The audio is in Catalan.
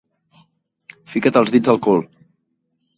Fica't els dits al cul!